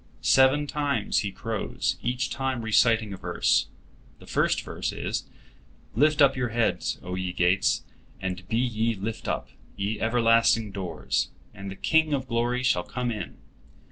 Seven times he crows, each time reciting a verse. The first verse is: "Lift up your heads, O ye gates; and be ye lift up, ye everlasting doors, and the King of glory shall come in.